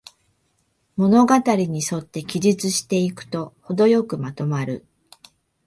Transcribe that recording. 物語にそって記述していくと、ほどよくまとまる